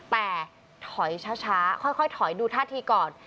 แต่ถอยช้าค่อยถอยดูท่าทีก่อน